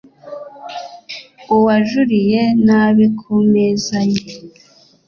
Uwajuriye nabi ku meza ye